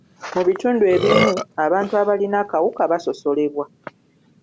Mu bitundu ebimu, abantu abalina akawuka basosolebwa.